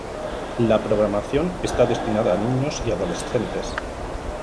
La programación está destinada a niños y adolescentes.